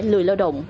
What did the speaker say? lười lao động